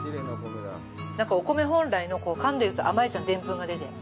なんか、お米本来の、かんでると甘いじゃん、でんぷんが出て。